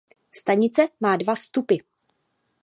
Stanice má dva vstupy.